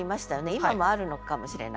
今もあるのかもしれないですね。